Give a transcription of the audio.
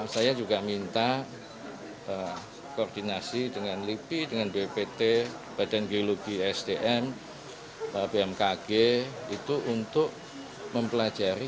saya juga minta koordinasi dengan lipi dengan bppt badan geologi sdm bmkg itu untuk mempelajari